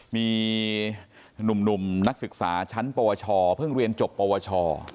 มีหนุ่มนักศึกษาชั้นปวชเพิ่งเรียนจบปวช